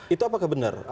itu apakah benar